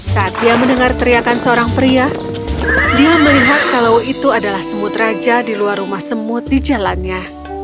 saat dia mendengar teriakan seorang pria dia melihat kalau itu adalah semut raja di luar rumah semut di jalannya